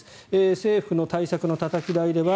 政府の対策のたたき台では